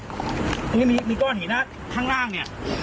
ตรงนี้มีก้อนหินนะข้างล่างเนี่ย